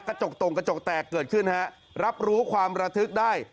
กระจกตรงกระจกแตกเกิดขึ้นฮะรับรู้ความระทึกได้